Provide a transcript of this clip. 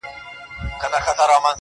نينې په پټه نه چيچل کېږي.